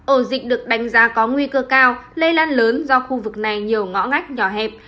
ổ dịch được đánh giá có nguy cơ cao lây lan lớn do khu vực này nhiều ngõ ngách nhỏ hẹp